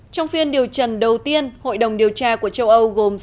trong phiên điều trần đầu tiên hội đồng điều tra của châu âu gồm sáu mươi năm thành phố